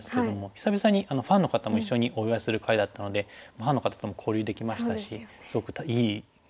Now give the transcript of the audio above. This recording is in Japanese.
久々にファンの方も一緒にお祝いする会だったのでファンの方とも交流できましたしすごくいい表彰式でしたね。